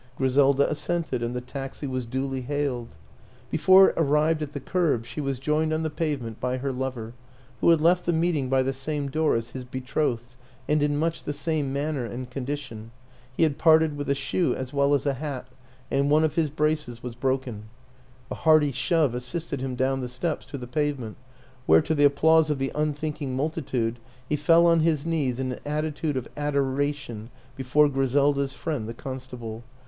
Griselda assented and the taxi was duly hailed. Before it arrived at the curb she was joined on the pave WILLIAM AN ENGLISHMAN 35 ment by her lover, who had left the meeting by the same door as his betrothed and in much the same manner and condition; he had parted with a shoe as well as a hat, and one of his braces was broken. A hearty shove assisted him down the steps to the pavement where, to the applause of the unthinking multitude, he fell on his knees in an attitude of adoration before Griselda's friend the constable.